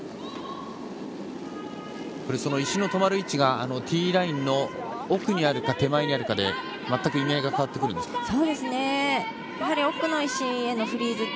石の止まる位置がティーラインの奥にあるか手前にあるかで全く意味合いが変わってくるんですか？